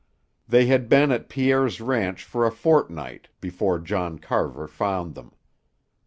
They had been at Pierre's ranch for a fortnight before John Carver found them.